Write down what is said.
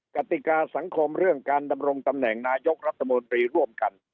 กติกาสังคมเรื่องการดำรงตำแหน่งนายกรัฐมนตรีร่วมกัน